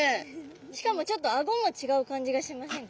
しかもちょっとアゴも違う感じがしませんか？